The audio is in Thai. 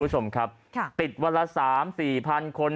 คุณผู้ชมครับติดวันละ๓๔๐๐๐คน